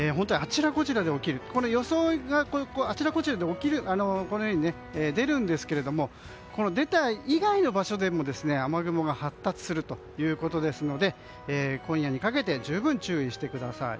本当に予想があちらこちらで出るんですけど出た以外の場所でも雨雲が発達するということですので今夜にかけて十分注意してください。